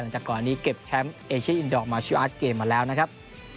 จากก่อนนี้เก็บแชมป์เอเชียอินดอร์มาชื่ออาร์ตเกมมาแล้วนะครับ